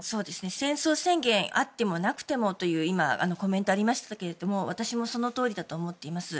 戦争宣言があってもなくてもという今、コメントがありましたけども私もそのとおりだと思ってます。